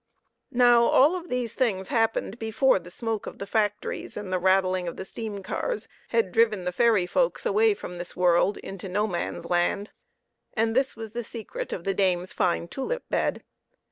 Now all of these things happened before the smoke of the factories and the rattling of the steam cars had driven the fairy folks away from this world into No man's land, and this was the secret of the dame's fine tulip "bed.